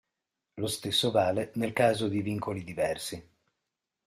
Lo stesso vale nel caso di vincoli diversi.